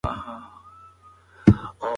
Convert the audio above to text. د افغانانو اتحاد د پرديو هڅې ناکاموي.